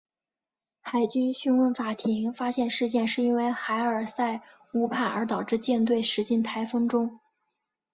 海军讯问法庭发现事件是因为海尔赛误判而导致舰队驶进台风中。